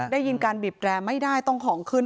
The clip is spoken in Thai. ได้ยินการบีบแรร์ไม่ได้ต้องของขึ้น